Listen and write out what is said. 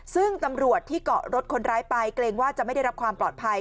ซึ่งตำรวจที่เกาะรถคนร้ายไปเกรงว่าจะไม่ได้รับความปลอดภัย